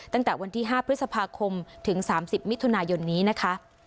ตั้งแต่วันที่๕พฤษภาคมถึง๓๐มิถุนายนนี้นะคะ